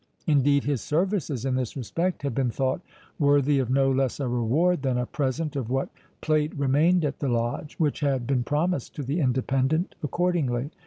Indeed, his services in this respect had been thought worthy of no less a reward than a present of what plate remained at the Lodge, which had been promised to the Independent accordingly.